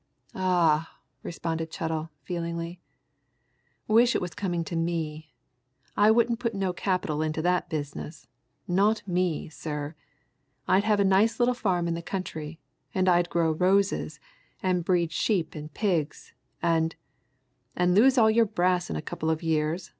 "Ah!" responded Chettle feelingly. "Wish it was coming to me! I wouldn't put no capital into that business not me, sir! I'd have a nice little farm in the country, and I'd grow roses, and breed sheep and pigs, and " "And lose all your brass in a couple of years!"